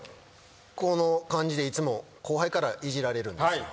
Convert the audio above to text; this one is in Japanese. この感じでいつも後輩からいじられるんですよ。